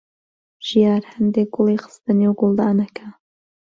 ژیار هەندێک گوڵی خستە نێو گوڵدانەکە.